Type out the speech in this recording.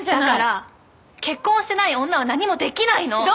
だから結婚してない女は何もできないの！